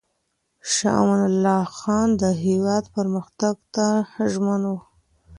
شاه امان الله خان د هېواد پرمختګ ته ژمن و.